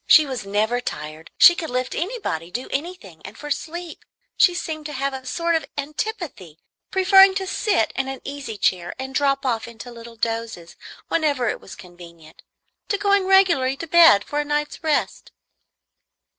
She was never tired; she could lift anybody, do anything; and for sleep she seemed to have a sort of antipathy, preferring to sit in an easy chair and drop off into little dozes, whenever it was convenient, to going regularly to bed for a night's rest.